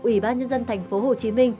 ủy ban nhân dân tp hcm